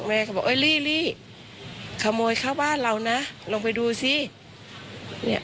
แม่ก็บอกเอ้ยลี่ขโมยเข้าบ้านเรานะลองไปดูสิเนี่ย